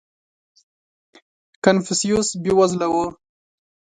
• کنفوسیوس بېوزله و.